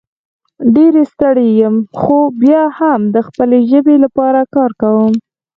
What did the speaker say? ډېر ستړی یم خو بیا هم د خپلې ژبې لپاره کار کوم